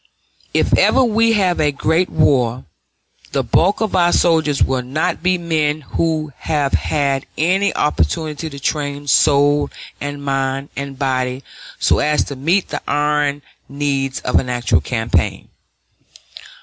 If ever we have a great war, the bulk of our soldiers will not be men who have had any opportunity to train soul and mind and body so as to meet the iron needs of an actual campaign.